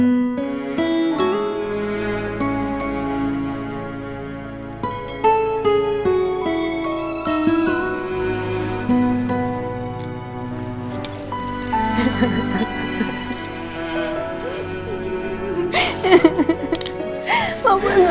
mutu m dan bapak wanita